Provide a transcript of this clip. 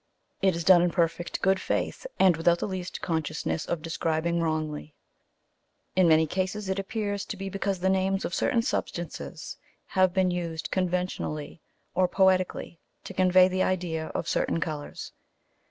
It is done in perfect good faith, and without the least consciousness of describing wrongly. In many cases it appears to be because the names of certain substances have been used conventionally or poetically to convey the idea of certain colours.